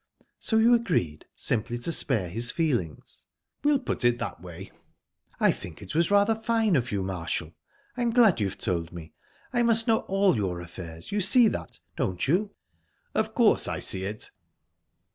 "So you agreed, simply to spare his feelings?" "We'll put it that way." "I think it was rather fine of you, Marshall...I'm glad you've told me.. I must know all your affairs. You see that, don't you?" "Of course I see it."